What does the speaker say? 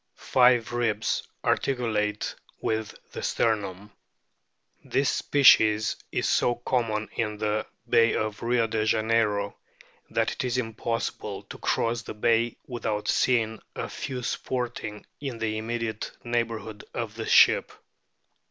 Five ribs articulate with the sternum. This species is so common in the bay of Rio de Janeiro that it is impossible to cross the bay without seeing a few sporting in the immediate neighbourhood of the ship.